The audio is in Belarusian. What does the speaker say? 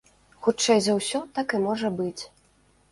Хутчэй за ўсё, так і можа быць.